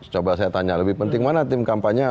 coba saya tanya lebih penting mana tim kampanye